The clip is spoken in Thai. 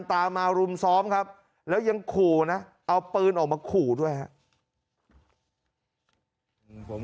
ตากมารุมซ้อมครับแล้วยังโขหน่ะเอาปืนออกมาโขอย่าง